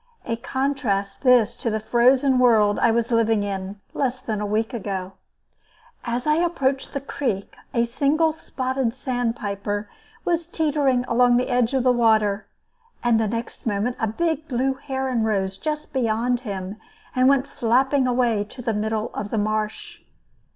A contrast, this, to the frozen world I was living in, less than a week ago. As I approached the creek, a single spotted sandpiper was teetering along the edge of the water, and the next moment a big blue heron rose just beyond him and went flapping away to the middle of the marsh.